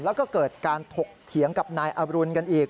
แล้วก็เกิดการถกเถียงกับนายอรุณกันอีก